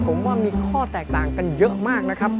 ผมว่ามีข้อแตกต่างกันเยอะมาก